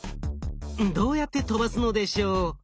どうやって飛ばすのでしょう？